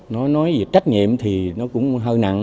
nói về trách nhiệm thì nó cũng hơi nặng